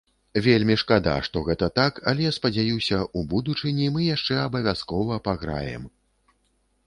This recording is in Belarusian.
Вельмі шкада, што гэта так, але, спадзяюся, у будучыні мы яшчэ абавязкова паграем.